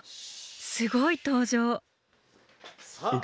すごい登場。